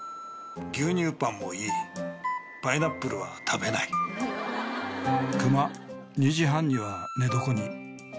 「牛乳パンもいいパイナップルは食べない」「熊２時半には寝床に豆リンゴ少々」